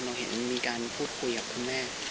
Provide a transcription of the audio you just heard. เราเห็นมีการพูดคุยกับคุณแม่